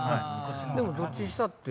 でもどっちにしたって。